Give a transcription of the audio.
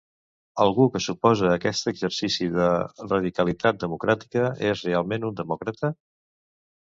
Algú que s’oposa a aquest exercici de radicalitat democràtica és realment un demòcrata?